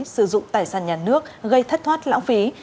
sử dụng tài sản nhà nước gây thất thoát lãng phí